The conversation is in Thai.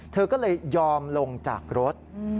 เธอก็เลยยอมลงจากรถ